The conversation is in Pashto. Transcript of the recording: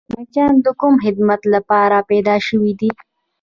مچان د کوم خدمت دپاره پیدا شوي دي؟